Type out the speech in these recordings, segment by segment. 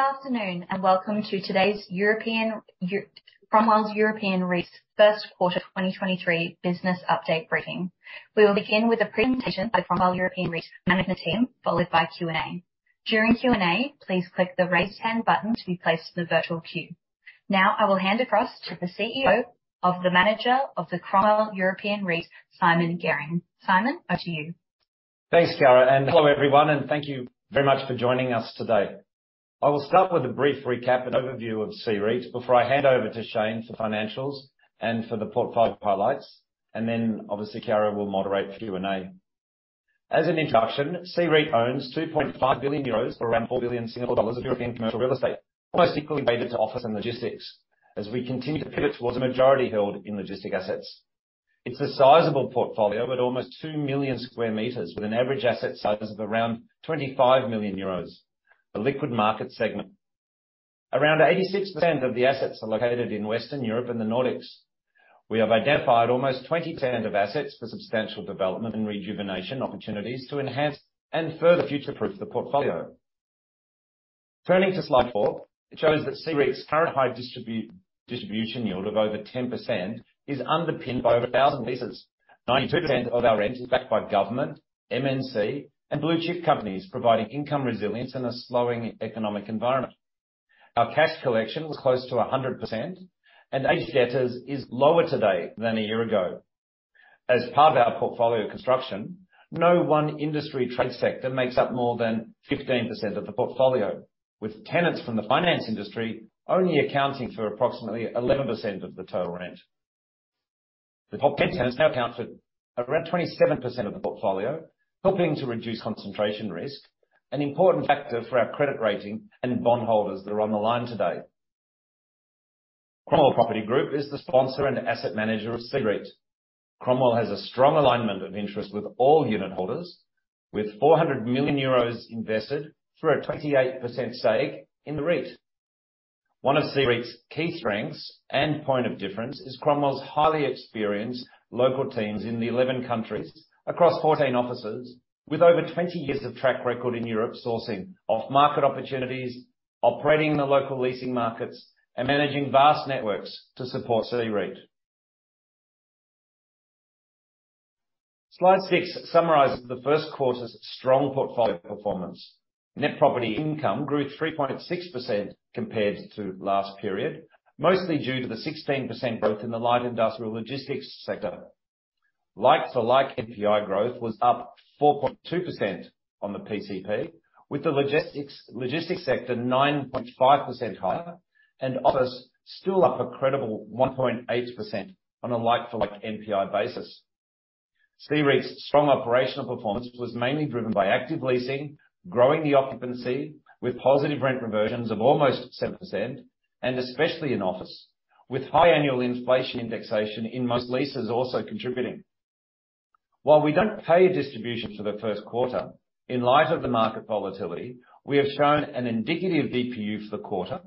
Good afternoon, and welcome to today's Cromwell European REIT's first quarter 2023 business update briefing. We will begin with a presentation by Cromwell European REIT management team, followed by Q&A. During Q&A, please click the Raise Hand button to be placed in the virtual queue. Now, I will hand across to the CEO of the manager of the Cromwell European REIT, Simon Garing. Simon, over to you. Thanks, Operator. Hello, everyone, and thank you very much for joining us today. I will start with a brief recap and overview of CEREIT before I hand over to Shane for financials and for the portfolio highlights, then, obviously, Operator will moderate Q&A. As an introduction, CEREIT owns 2.5 billion euros, or around 4 billion Singapore dollars of European commercial real estate, almost equally weighted to office and logistics as we continue to pivot towards a majority held in logistic assets. It's a sizable portfolio, with almost two million square meters, with an average asset size of around 25 million euros, a liquid market segment. Around 86% of the assets are located in Western Europe and the Nordics. We have identified almost 20% of assets for substantial development and rejuvenation opportunities to enhance and further future-proof the portfolio. Turning to slide four, it shows that CEREIT's current high distribution yield of over 10% is underpinned by over 1,000 leases. 92% of our rent is backed by government, MNC, and Blue Chip companies, providing income resilience in a slowing economic environment. Our cash collection was close to 100%, and aged debtors is lower today than a year ago. As part of our portfolio construction, no one industry trade sector makes up more than 15% of the portfolio, with tenants from the finance industry only accounting for approximately 11% of the total rent. The top 10 tenants now account for around 27% of the portfolio, helping to reduce concentration risk, an important factor for our credit rating and bondholders that are on the line today. Cromwell Property Group is the sponsor and asset manager of CEREIT. Cromwell has a strong alignment of interest with all unit holders, with 400 million euros invested through a 28% stake in the REIT. One of CEREIT's key strengths and point of difference is Cromwell's highly experienced local teams in the 11 countries across 14 offices, with over 20 years of track record in Europe, sourcing off-market opportunities, operating in the local leasing markets, and managing vast networks to support CEREIT. Slide six summarizes the first quarter's strong portfolio performance. Net property income grew 3.6% compared to last period, mostly due to the 16% growth in the light industrial logistics sector. Like-for-like NPI growth was up 4.2% on the PCP, with the logistics sector 9.5% higher and office still up a credible 1.8% on a like-for-like NPI basis. CEREIT's strong operational performance was mainly driven by active leasing, growing the occupancy with positive rent reversions of almost 7%. Especially in office, with high annual inflation indexation in most leases also contributing. While we don't pay a distribution for the first quarter, in light of the market volatility, we have shown an indicative DPU for the quarter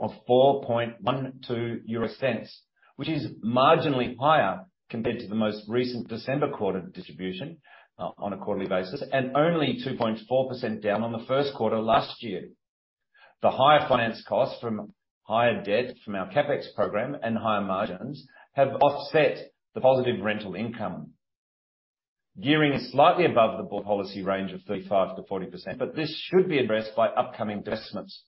of 0.0412, which is marginally higher compared to the most recent December quarter distribution on a quarterly basis. Only 2.4% down on the first quarter last year. The higher finance costs from higher debt from our CapEx program and higher margins have offset the positive rental income. Gearing is slightly above the board policy range of 35%-40%. This should be addressed by upcoming investments.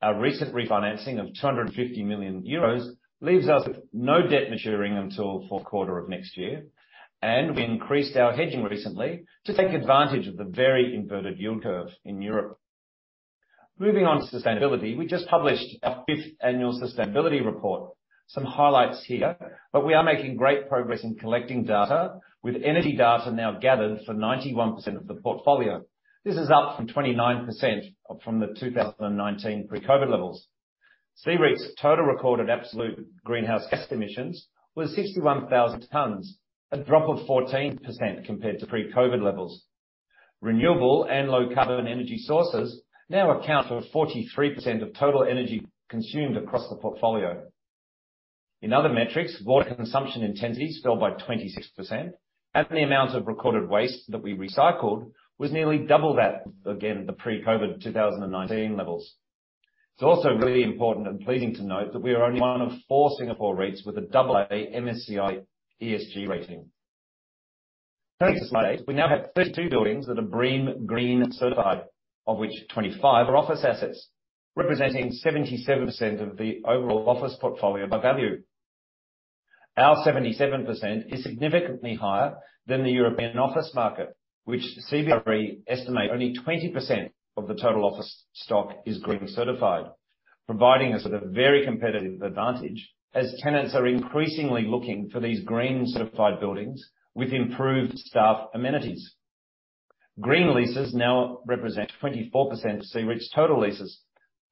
Our recent refinancing of 250 million euros leaves us with no debt maturing until fourth quarter of next year. We increased our hedging recently to take advantage of the very inverted yield curve in Europe. Moving on to sustainability, we just published our fifth annual sustainability report. Some highlights here. We are making great progress in collecting data, with energy data now gathered for 91% of the portfolio. This is up from 29% from the 2019 pre-COVID levels. CEREIT's total recorded absolute greenhouse gas emissions was 61,000 tons, a drop of 14% compared to pre-COVID levels. Renewable and low-carbon energy sources now account for 43% of total energy consumed across the portfolio. In other metrics, water consumption intensity fell by 26%, and the amount of recorded waste that we recycled was nearly double that, again, the pre-COVID 2019 levels. It's also really important and pleasing to note that we are only one of four S-REITs with a double A MSCI ESG rating. Turning to slide eight, we now have 32 buildings that are BREEAM green certified, of which 25 are office assets, representing 77% of the overall office portfolio by value. Our 77% is significantly higher than the European office market, which CBRE estimate only 20% of the total office stock is green certified, providing us with a very competitive advantage as tenants are increasingly looking for these green certified buildings with improved staff amenities. Green leases now represent 24% of CEREIT's total leases,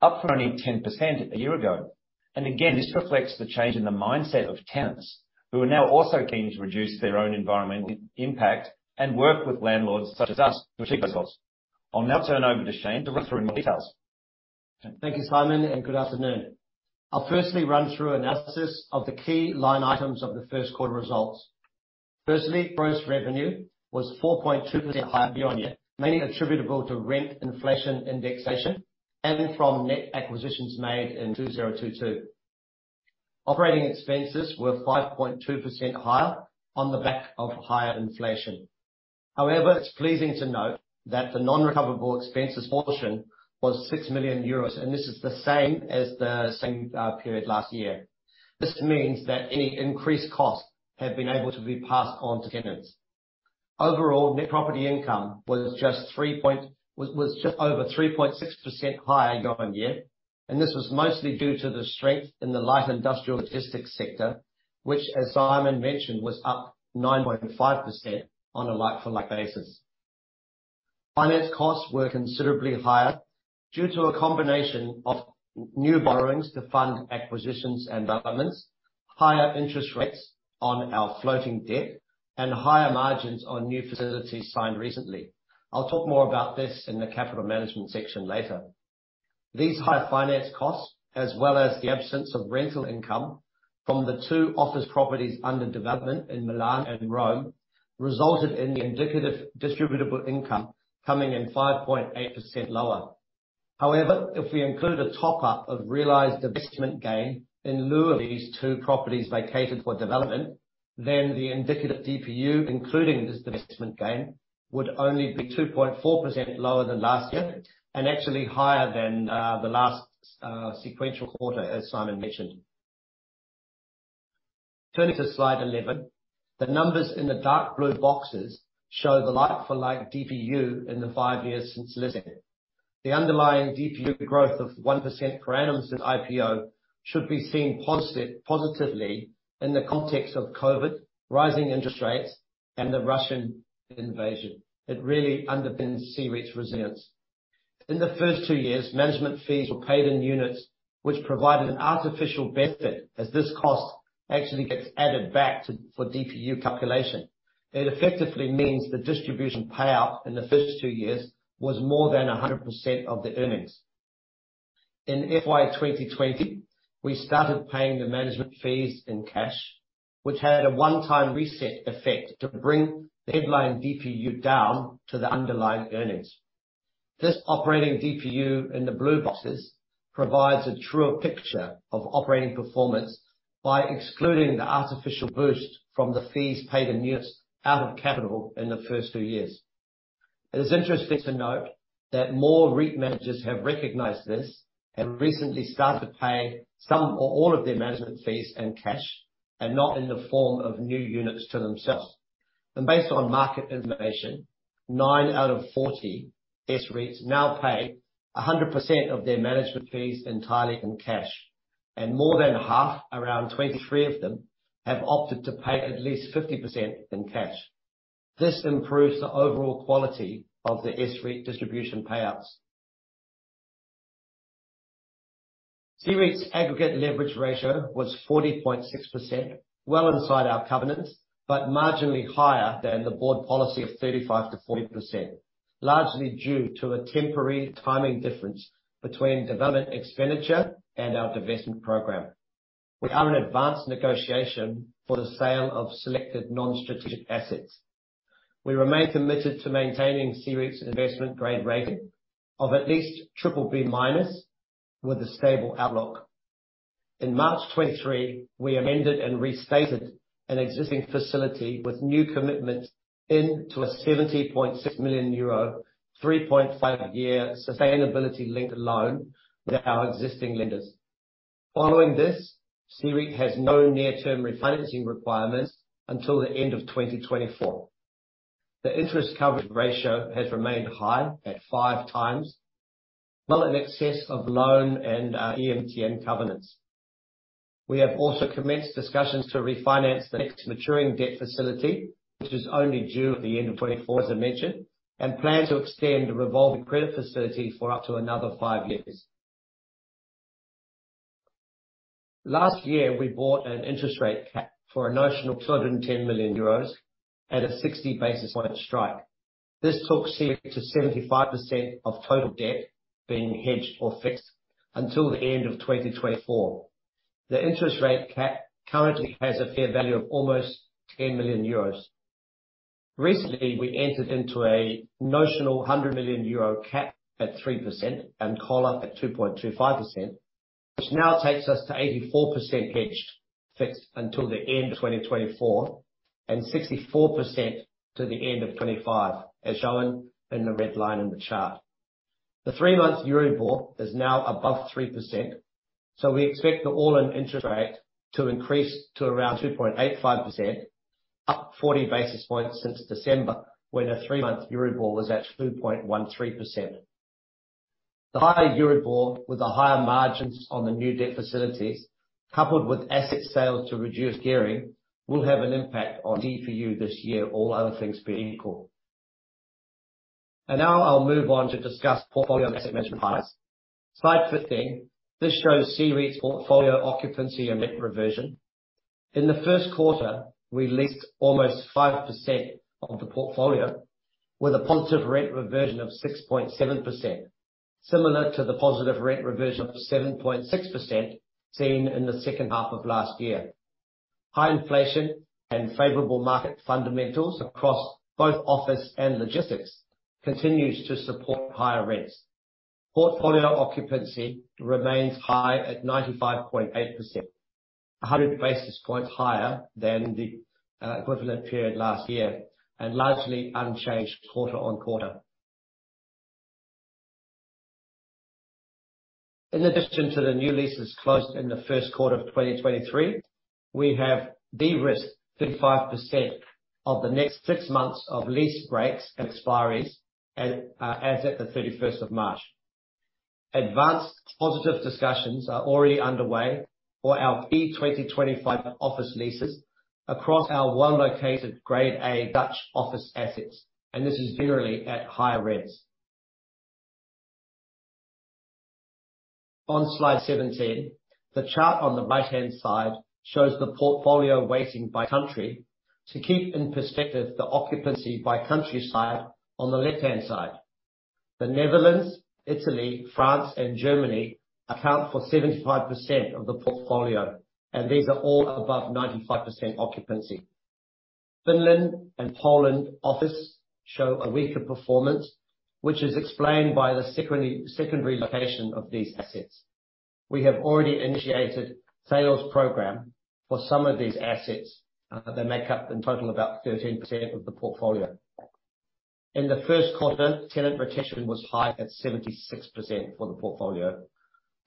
up from only 10% a year ago. Again, this reflects the change in the mindset of tenants, who are now also keen to reduce their own environmental impact and work with landlords such as us to achieve results. I'll now turn over to Shane to run through more details. Thank you, Simon, good afternoon. I'll firstly run through analysis of the key line items of the first quarter results. Firstly, gross revenue was 4.2% higher year-on-year, mainly attributable to rent inflation indexation and from net acquisitions made in 2022. Operating expenses were 5.2% higher on the back of higher inflation. However, it's pleasing to note that the non-recoverable expenses portion was 6 million euros, and this is the same as the same period last year. This means that any increased costs have been able to be passed on to tenants. Overall, net property income was just over 3.6% higher year-on-year, and this was mostly due to the strength in the light industrial logistics sector, which, as Simon mentioned, was up 9.5% on a like-for-like basis. Finance costs were considerably higher due to a combination of new borrowings to fund acquisitions and developments, higher interest rates on our floating debt, and higher margins on new facilities signed recently. I'll talk more about this in the capital management section later. These higher finance costs, as well as the absence of rental income from the two office properties under development in Milan and Rome, resulted in the indicative distributable income coming in 5.8% lower. If we include a top-up of realized divestment gain in lieu of these two properties vacated for development, then the indicative DPU, including this divestment gain, would only be 2.4% lower than last year and actually higher than the last sequential quarter, as Simon mentioned. Turning to slide 11. The numbers in the dark blue boxes show the like-for-like DPU in the five years since listing. The underlying DPU growth of 1% per annum since IPO should be seen positively in the context of COVID, rising interest rates, and the Russian invasion. It really underpins CEREIT's resilience. In the first two years, management fees were paid in units, which provided an artificial benefit, as this cost actually gets added back to, for DPU calculation. It effectively means the distribution payout in the first two years was more than 100% of the earnings. In FY 2020, we started paying the management fees in cash, which had a one-time reset effect to bring the headline DPU down to the underlying earnings. This operating DPU in the blue boxes provides a truer picture of operating performance by excluding the artificial boost from the fees paid in units out of capital in the first two years. It is interesting to note that more REIT managers have recognized this and recently started to pay some or all of their management fees in cash, not in the form of new units to themselves. Based on market information, nine out of 40 S-REITs now pay 100% of their management fees entirely in cash, and more than half, around 23 of them, have opted to pay at least 50% in cash. This improves the overall quality of the S-REIT distribution payouts. CEREIT's aggregate leverage ratio was 40.6%, well inside our covenants, but marginally higher than the board policy of 35%-40%, largely due to a temporary timing difference between development expenditure and our divestment program. We are in advanced negotiation for the sale of selected non-strategic assets. We remain committed to maintaining CEREIT's investment-grade rating of at least BBB- with a stable outlook. In March 2023, we amended and restated an existing facility with new commitments into a 70.6 million euro, 3.5-year sustainability-linked loan with our existing lenders. Following this, CEREIT has no near-term refinancing requirements until the end of 2024. The interest coverage ratio has remained high at 5 times, well in excess of loan and EMTN covenants. We have also commenced discussions to refinance the next maturing debt facility, which is only due at the end of 2024, as I mentioned, and plan to extend the revolving credit facility for up to another five years. Last year, we bought an interest rate cap for a notional 210 million euros at a 60 basis point strike. This took CEREIT to 75% of total debt being hedged or fixed until the end of 2024. The interest rate cap currently has a fair value of almost 10 million euros. Recently, we entered into a notional 100 million euro cap at 3% and collar at 2.25%, which now takes us to 84% hedged, fixed until the end of 2024 and 64% to the end of 2025, as shown in the red line in the chart. The three-month Euribor is now above 3%. We expect the all-in interest rate to increase to around 2.85%, up 40 basis points since December, when the three-month Euribor was at 2.13%. The higher Euribor with the higher margins on the new debt facilities, coupled with asset sales to reduce gearing, will have an impact on DPU this year, all other things being equal. Now I'll move on to discuss portfolio asset management. Slide 15. This shows CEREIT's portfolio occupancy and net reversion. In the first quarter, we leased almost 5% of the portfolio with a positive rent reversion of 6.7%. Similar to the positive rent reversion of 7.6% seen in the second half of last year. High inflation and favorable market fundamentals across both office and logistics continues to support higher rents. Portfolio occupancy remains high at 95.8%, 100 basis points higher than the equivalent period last year, and largely unchanged quarter-on-quarter. In addition to the new leases closed in the first quarter of 2023, we have de-risked 35% of the next six months of lease breaks and expiries as at the 31st of March. Advanced positive discussions are already underway for our key 2025 office leases across our well-located grade A Dutch office assets, and this is generally at higher rents. On slide 17, the chart on the right-hand side shows the portfolio weighting by country to keep in perspective the occupancy by country side on the left-hand side. The Netherlands, Italy, France and Germany account for 75% of the portfolio, and these are all above 95% occupancy. Finland and Poland office show a weaker performance, which is explained by the secondary location of these assets. We have already initiated sales program for some of these assets, they make up in total about 13% of the portfolio. In the first quarter, tenant retention was high at 76% for the portfolio.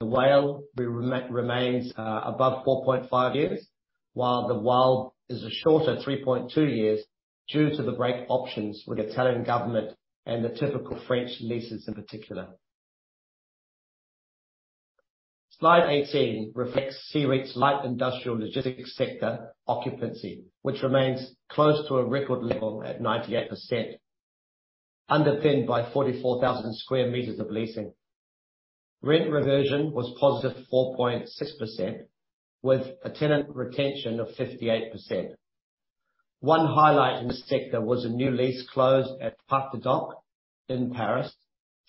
The WALE remains above 4.5 years, while the WALE is a shorter 3.2 years due to the break options with Italian government and the typical French leases in particular. Slide 18 reflects CEREIT's light industrial logistics sector occupancy, which remains close to a record level at 98%, underpinned by 44,000 square meters of leasing. Rent reversion was positive 4.6% with a tenant retention of 58%. One highlight in this sector was a new lease closed at Parc des Docks in Paris,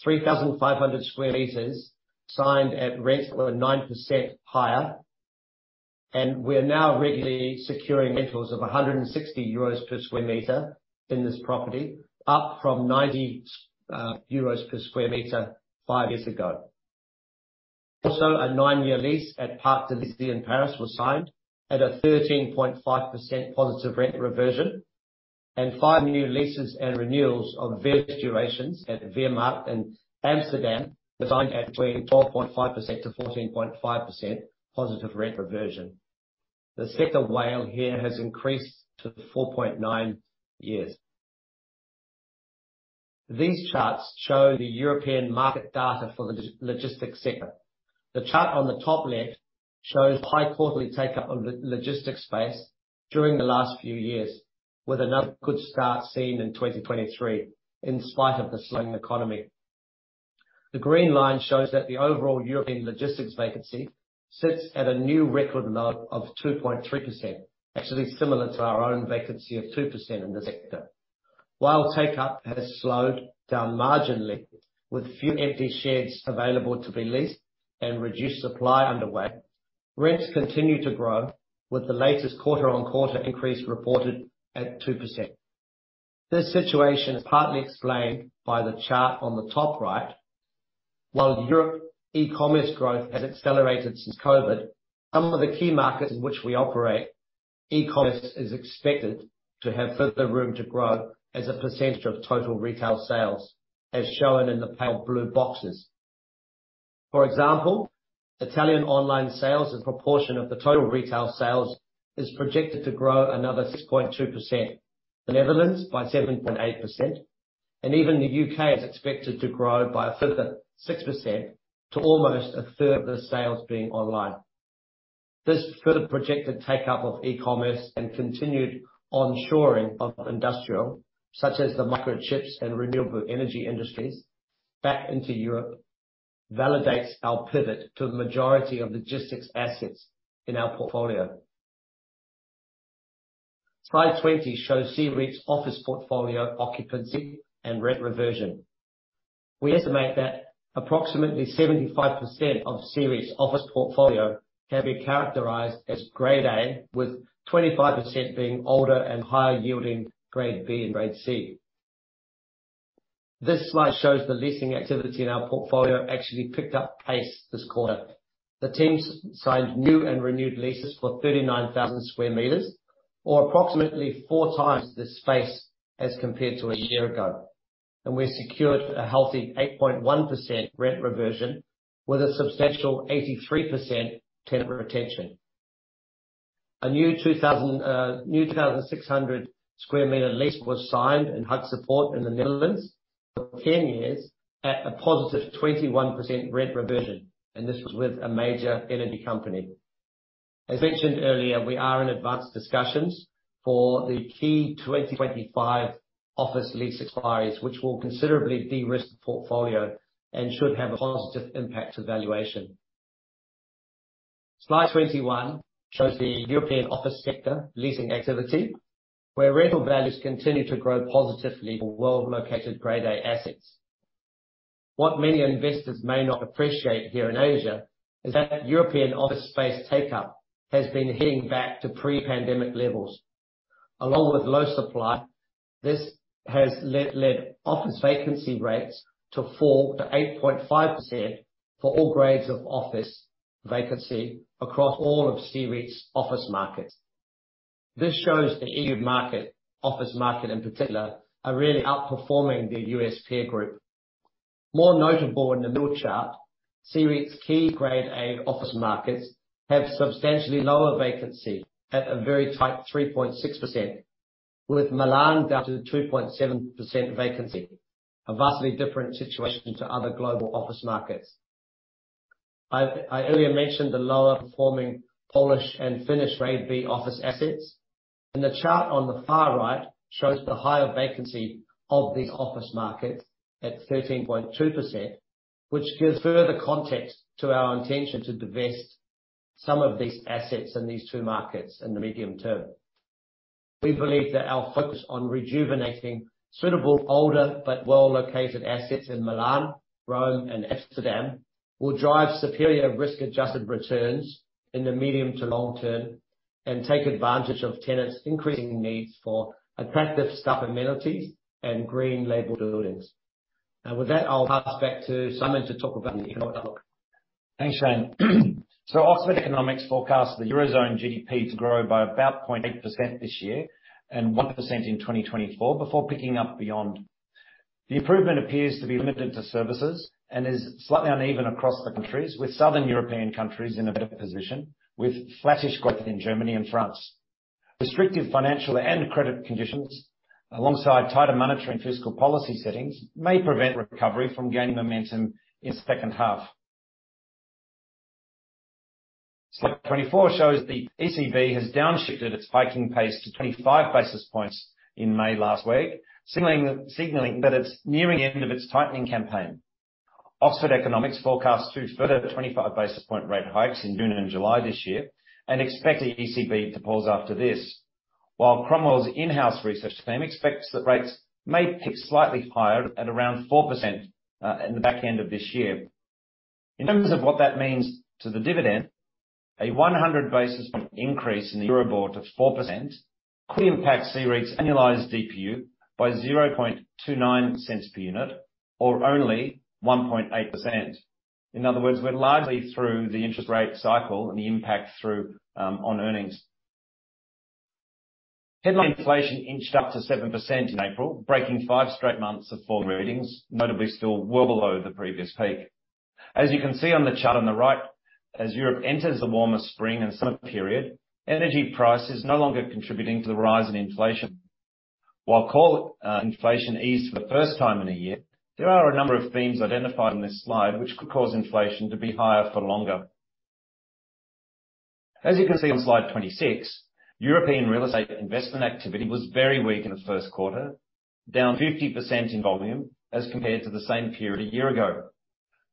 3,500 square meters signed at rents that were 9% higher. We are now regularly securing rentals of 160 euros per square meter in this property, up from 90 euros per square meter five years ago. Also, a nine-year lease at Parc des Docks in Paris was signed at a 13.5% positive rent reversion, and five new leases and renewals of various durations at Vianen Markt in Amsterdam were signed at between 12.5%-14.5% positive rent reversion. The sector WALE here has increased to 4.9 years. These charts show the European market data for the logistics sector. The chart on the top left shows high quarterly take-up of logistics space during the last few years, with another good start seen in 2023 in spite of the slowing economy. The green line shows that the overall European logistics vacancy sits at a new record low of 2.3%, actually similar to our own vacancy of 2% in this sector. Take-up has slowed down marginally with few empty sheds available to be leased and reduced supply underway, rents continue to grow with the latest quarter-on-quarter increase reported at 2%. This situation is partly explained by the chart on the top right. Europe e-commerce growth has accelerated since COVID. Some of the key markets in which we operate, e-commerce is expected to have further room to grow as a % of total retail sales, as shown in the pale blue boxes. For example, Italian online sales in proportion of the total retail sales is projected to grow another 6.2%, the Netherlands by 7.8%, and even the U.K. is expected to grow by a further 6% to almost a third of the sales being online. This further projected take-up of e-commerce and continued onshoring of industrial, such as the microchips and renewable energy industries back into Europe, validates our pivot to the majority of logistics assets in our portfolio. Slide 20 shows CEREIT's office portfolio occupancy and rent reversion. We estimate that approximately 75% of CEREIT's office portfolio can be characterized as grade A, with 25% being older and higher yielding grade B and grade C. This slide shows the leasing activity in our portfolio actually picked up pace this quarter. The teams signed new and renewed leases for 39,000 square meters, or approximately four times this space as compared to a year ago. We secured a healthy 8.1% rent reversion with a substantial 83% tenant retention. A new 2,600 square meter lease was signed in [Amersfoort] in the Netherlands for 10 years at a positive 21% rent reversion, and this was with a major energy company. As mentioned earlier, we are in advanced discussions for the key 2025 office lease expiries, which will considerably de-risk the portfolio and should have a positive impact to valuation. Slide 21 shows the European office sector leasing activity, where rental values continue to grow positively for well-located Grade A assets. What many investors may not appreciate here in Asia is that European office space take up has been heading back to pre-pandemic levels. Along with low supply, this has led office vacancy rates to fall to 8.5% for all grades of office vacancy across all of CEREIT's office markets. This shows the EU market, office market in particular, are really outperforming the U.S. peer group. More notable in the middle chart, CEREIT's key Grade A office markets have substantially lower vacancy at a very tight 3.6%, with Milan down to 2.7% vacancy, a vastly different situation to other global office markets. I earlier mentioned the lower performing Polish and Finnish Grade B office assets. The chart on the far right shows the higher vacancy of these office markets at 13.2%, which gives further context to our intention to divest some of these assets in these two markets in the medium term. We believe that our focus on rejuvenating suitable older but well-located assets in Milan, Rome, and Amsterdam will drive superior risk-adjusted returns in the medium to long term and take advantage of tenants' increasing needs for attractive staff amenities and green labeled buildings. With that, I'll pass back to Simon to talk about the economic outlook. Thanks, Shane. Oxford Economics forecasts the Eurozone GDP to grow by about 0.8% this year and 1% in 2024 before picking up beyond. The improvement appears to be limited to services and is slightly uneven across the countries, with Southern European countries in a better position, with flattish growth in Germany and France. Restrictive financial and credit conditions, alongside tighter monetary and fiscal policy settings, may prevent recovery from gaining momentum in second half. Slide 24 shows the ECB has downshifted its hiking pace to 25 basis points in May last week, signaling that it's nearing the end of its tightening campaign. Oxford Economics forecasts two further 25 basis point rate hikes in June and July this year and expect the ECB to pause after this. While Cromwell's in-house research team expects that rates may peak slightly higher at around 4%, in the back end of this year. In terms of what that means to the dividend, a 100 basis point increase in the Euribor of 4% could impact CEREIT's annualized DPU by 0.0029 per unit or only 1.8%. In other words, we're largely through the interest rate cycle and the impact on earnings. Headline inflation inched up to 7% in April, breaking 5 straight months of fall readings, notably still well below the previous peak. As you can see on the chart on the right, as Europe enters the warmer spring and summer period, energy prices no longer contributing to the rise in inflation. While coal inflation eased for the first time in a year, there are a number of themes identified on this slide which could cause inflation to be higher for longer. As you can see on slide 26, European real estate investment activity was very weak in the first quarter, down 50% in volume as compared to the same period a year ago.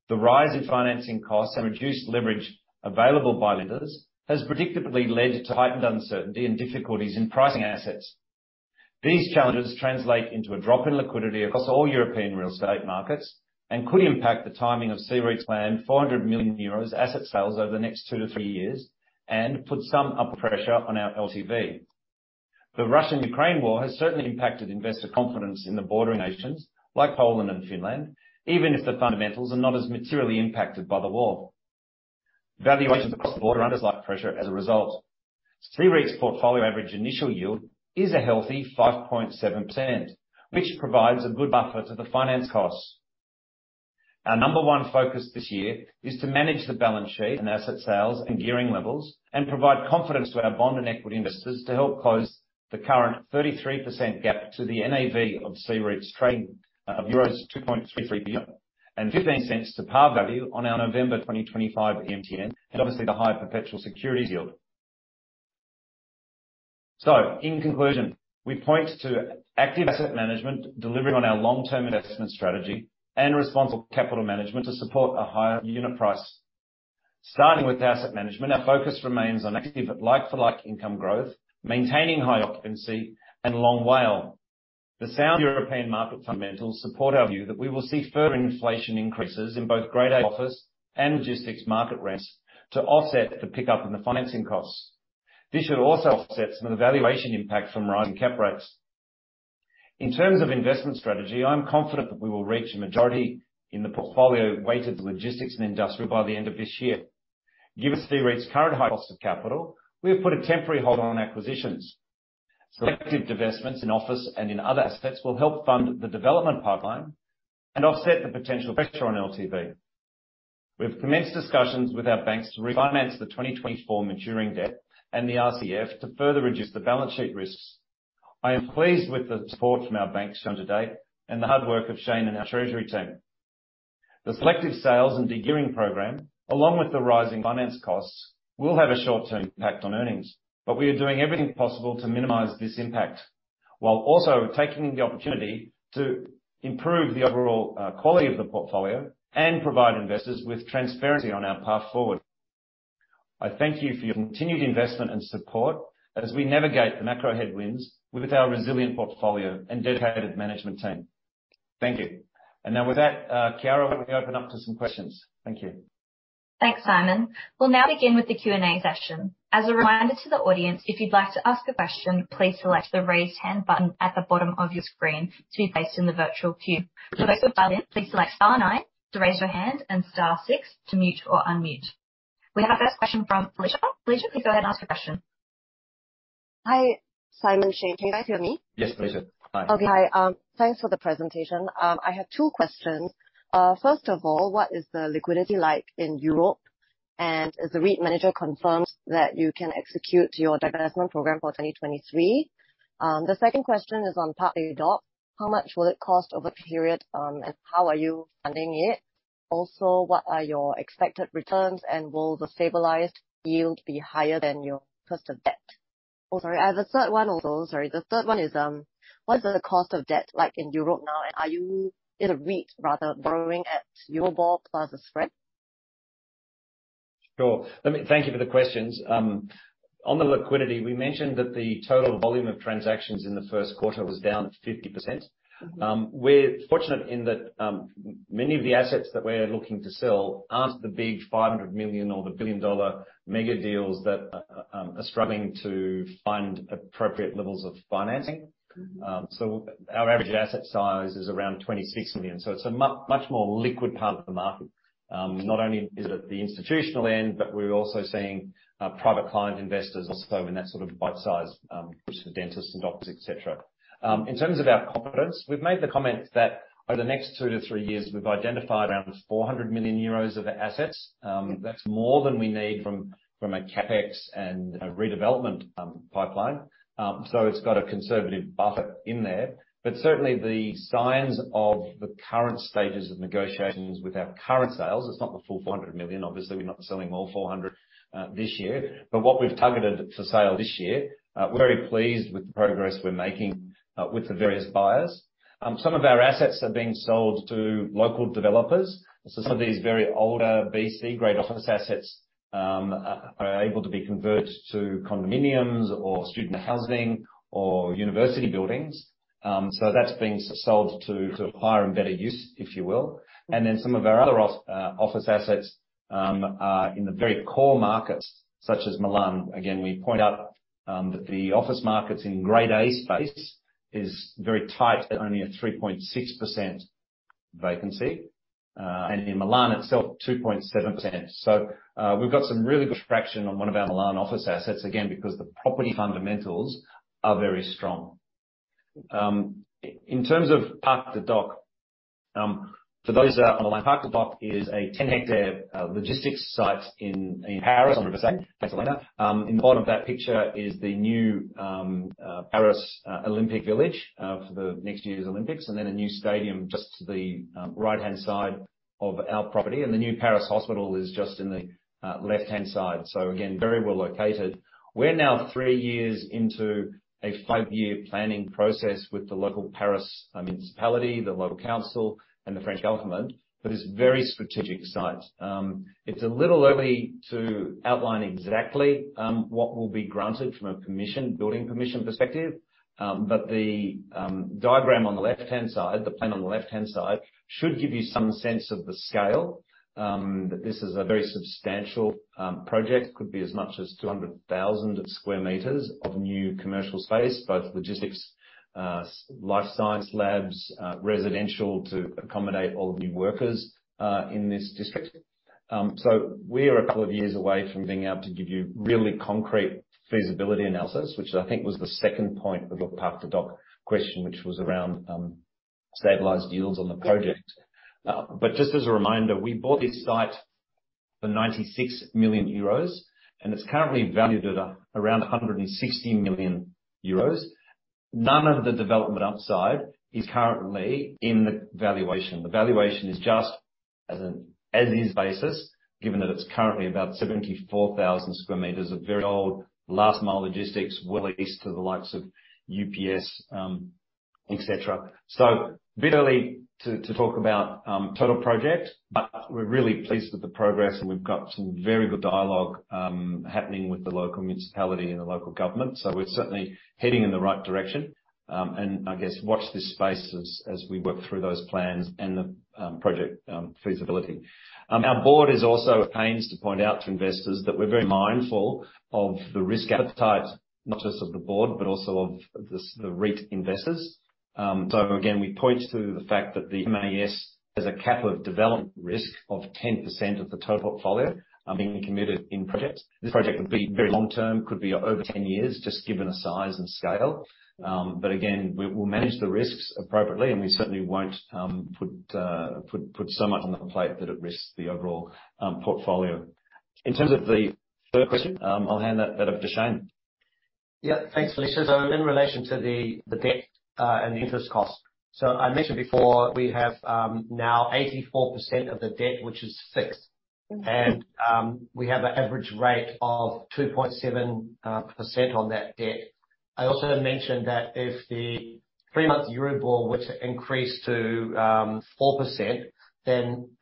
The rise in financing costs and reduced leverage available by lenders has predictably led to heightened uncertainty and difficulties in pricing assets. These challenges translate into a drop in liquidity across all European real estate markets and could impact the timing of CEREIT's planned 400 million euros asset sales over the next two to three years and put some upward pressure on our LTV. The Russian-Ukraine War has certainly impacted investor confidence in the bordering nations like Poland and Finland, even if the fundamentals are not as materially impacted by the war. Valuations across the board are under slight pressure as a result. CEREIT's portfolio average initial yield is a healthy 5.7%, which provides a good buffer to the finance costs. Our number one focus this year is to manage the balance sheet and asset sales and gearing levels, and provide confidence to our bond and equity investors to help close the current 33% gap to the NAV of CEREIT's trade of euros 2.33 billion and 0.15 to par value on our November 2025 MTN and obviously the high perpetual securities yield. In conclusion, we point to active asset management, delivering on our long-term investment strategy and responsible capital management to support a higher unit price. Starting with asset management, our focus remains on active but like-for-like income growth, maintaining high occupancy and long WALE. The sound European market fundamentals support our view that we will see further inflation increases in both Grade A office and logistics market rents to offset the pickup in the financing costs. This should also offset some of the valuation impact from rising cap rates. In terms of investment strategy, I'm confident that we will reach a majority in the portfolio weighted to logistics and industrial by the end of this year. Given CEREIT's current high cost of capital, we have put a temporary hold on acquisitions. Selective divestments in office and in other aspects will help fund the development pipeline and offset the potential pressure on LTV. We've commenced discussions with our banks to refinance the 2024 maturing debt and the RCF to further reduce the balance sheet risks. I am pleased with the support from our banks shown to date and the hard work of Shane and our treasury team. The selective sales and de-gearing program, along with the rising finance costs, will have a short-term impact on earnings. We are doing everything possible to minimize this impact. Also taking the opportunity to improve the overall quality of the portfolio and provide investors with transparency on our path forward. I thank you for your continued investment and support as we navigate the macro headwinds with our resilient portfolio and dedicated management team. Thank you. Now with that, Kiara, we open up to some questions. Thank you. Thanks, Simon. We'll now begin with the Q&A session. As a reminder to the audience, if you'd like to ask a question, please select the Raise Hand button at the bottom of your screen to be placed in the virtual queue. For those who dialed in, please select star nine to raise your hand and star six to mute or unmute. We have our first question from Felicia. Felicia, please go ahead and ask your question. Hi, Simon, Shane. Can you guys hear me? Yes, Felicia. Okay. Hi. Thanks for the presentation. I have two questions. First of all, what is the liquidity like in Europe? Has the REIT manager confirmed that you can execute your divestment program for 2023? The second question is, on Parc des Docks, how much will it cost over the period, and how are you funding it? What are your expected returns? Will the stabilized yield be higher than your cost of debt? Oh, sorry, I have a third one also. Sorry. The third one is, what is the cost of debt like in Europe now? Are you as a REIT, rather, borrowing at Eurobond plus a spread? Sure. Thank you for the questions. On the liquidity, we mentioned that the total volume of transactions in the first quarter was down 50%. We're fortunate in that many of the assets that we're looking to sell aren't the big 500 million or the billion-dollar mega deals that are struggling to find appropriate levels of financing. Our average asset size is around 26 million. It's a much more liquid part of the market. Not only is it the institutional end, but we're also seeing private client investors also in that sort of bite size, which is dentists and doctors, et cetera. In terms of our confidence, we've made the comment that over the next two to three years, we've identified around 400 million euros of assets. That's more than we need from a CapEx and a redevelopment pipeline. It's got a conservative buffer in there, but certainly the signs of the current stages of negotiations with our current sales, it's not the full 400 million. Obviously, we're not selling all 400 this year. What we've targeted for sale this year, we're very pleased with the progress we're making with the various buyers. Some of our assets are being sold to local developers. Some of these very older B, C-grade office assets are able to be converted to condominiums or student housing or university buildings. That's being sold to higher and better use, if you will. Some of our other office assets are in the very core markets, such as Milan. Again, we point out that the office markets in grade A space is very tight at only a 3.6% vacancy. In Milan itself, 2.7%. We've got some really good traction on one of our Milan office assets. Again, because the property fundamentals are very strong. In terms of Parc des Docks, for those that are online, Parc des Docks is a 10-hectare logistics site in Paris. In the bottom of that picture is the new Paris Olympic Village for the next year's Olympics, and then a new stadium just to the right-hand side of our property. The new Paris Hospital is just in the left-hand side. Again, very well located. We're now three years into a five-year planning process with the local Paris municipality, the local council and the French government. It's a very strategic site. It's a little early to outline exactly what will be granted from a commission, building permission perspective. The diagram on the left-hand side, the plan on the left-hand side, should give you some sense of the scale that this is a very substantial project. Could be as much as 200,000 square meters of new commercial space, both logistics, life science labs, residential to accommodate all the new workers in this district. We are a couple of years away from being able to give you really concrete feasibility analysis, which I think was the second point of the Parc des Docks question, which was around stabilized yields on the project. Just as a reminder, we bought this site for 96 million euros, and it's currently valued at around 160 million euros. None of the development upside is currently in the valuation. The valuation is just as an as is basis, given that it's currently about 74,000 square meters of very old last mile logistics, well leased to the likes of UPS, et cetera. A bit early to talk about total project, but we're really pleased with the progress, and we've got some very good dialogue happening with the local municipality and the local government. We're certainly heading in the right direction. And I guess watch this space as we work through those plans and the project feasibility. Our board is also at pains to point out to investors that we're very mindful of the risk appetite, not just of the board, but also of the REIT investors. Again, we point to the fact that the MAS has a capital of development risk of 10% of the total portfolio being committed in projects. This project could be very long term, could be over 10 years, just given the size and scale. But again, we'll manage the risks appropriately, and we certainly won't put so much on the plate that it risks the overall portfolio. In terms of the third question, I'll hand that over to Shane. Yeah. Thanks, Felicia. In relation to the debt and the interest cost. I mentioned before we have now 84% of the debt which is fixed. And we have an average rate of 2.7% on that debt. I also mentioned that if the three-month Euribor were to increase to 4%,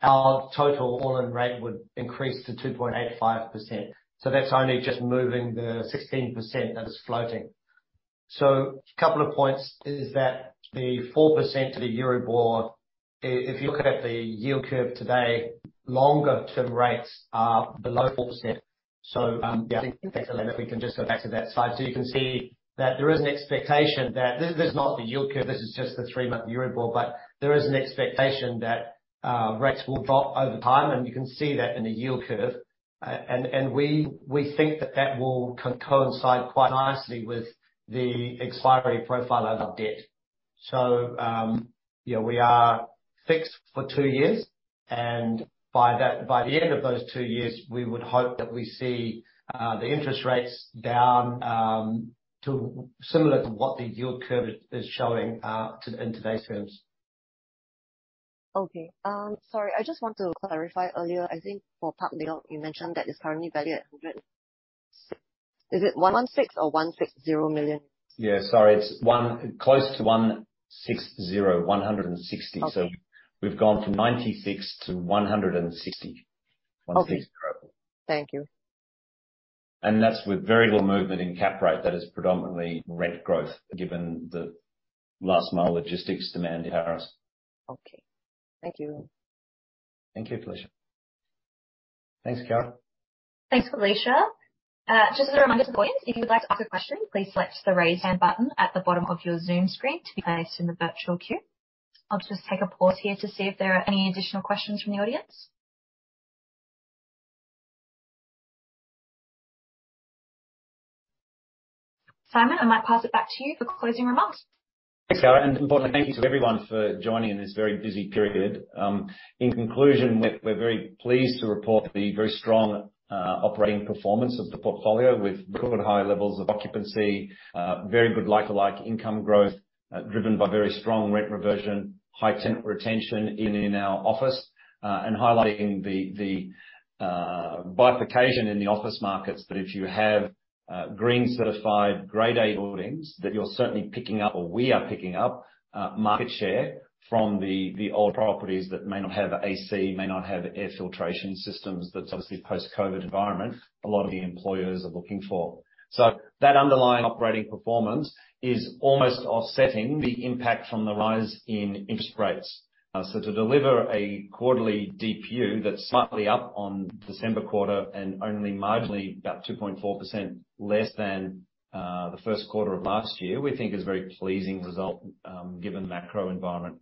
our total all-in rate would increase to 2.85%. That's only just moving the 16% that is floating. A couple of points is that the 4% of the Euribor, if you look at the yield curve today, longer-term rates are below 4%. Yeah. In fact, Elena, if we can just go back to that slide. You can see that this is not the yield curve, this is just the three-month Euribor, but there is an expectation that rates will drop over time, and you can see that in the yield curve. We think that that will coincide quite nicely with the expiry profile of our debt. We are fixed for two years and by that, by the end of those two years, we would hope that we see the interest rates down to similar to what the yield curve is showing in today's terms. Okay. sorry, I just want to clarify earlier. I think for Parc des Docks, you mentioned that it's currently valued at. Is it 116 million or 160 million? Yeah. Sorry, it's close to 160. Okay. We've gone from 96 to 160. Okay. Thank you. That's with very little movement in cap rate. That is predominantly rent growth given the last mile logistics demand Okay. Thank you. Thank you, Felicia. Thanks, Operator. Thanks, Felicia. Just a reminder to the audience, if you would like to ask a question, please select the Raise Hand button at the bottom of your Zoom screen to be placed in the virtual queue. I'll just take a pause here to see if there are any additional questions from the audience. Simon, I might pass it back to you for closing remarks. Thanks, Operator. Importantly, thank you to everyone for joining in this very busy period. In conclusion, we're very pleased to report the very strong operating performance of the portfolio with good high levels of occupancy, very good like-for-like income growth, driven by very strong rent reversion, high tenant retention in our office, and highlighting the bifurcation in the office markets that if you have green certified grade A buildings, that you're certainly picking up or we are picking up market share from the old properties that may not have AC, may not have air filtration systems, that's obviously post-COVID environment a lot of the employers are looking for. That underlying operating performance is almost offsetting the impact from the rise in interest rates. To deliver a quarterly DPU that's slightly up on December quarter and only marginally, about 2.4% less than the first quarter of last year, we think is a very pleasing result given the macro environment.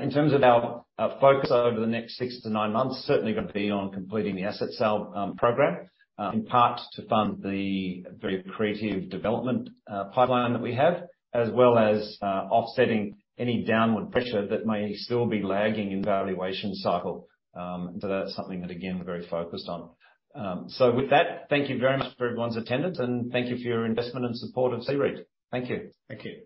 In terms of our focus over the next six to nine months, certainly gonna be on completing the asset sale program in part to fund the very accretive development pipeline that we have, as well as offsetting any downward pressure that may still be lagging in the valuation cycle. That's something that, again, we're very focused on. With that, thank you very much for everyone's attendance and thank you for your investment and support of CEREIT. Thank you.